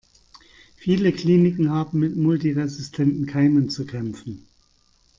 Viele Kliniken haben mit multiresistenten Keimen zu kämpfen.